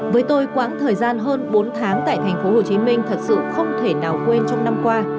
với tôi quãng thời gian hơn bốn tháng tại thành phố hồ chí minh thật sự không thể nào quên trong năm qua